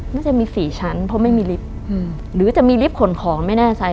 น่าจะมี๔ชั้นเพราะไม่มีลิฟต์หรือจะมีลิฟต์ขนของไม่แน่ใจ